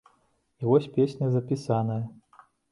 І вось песня запісаная.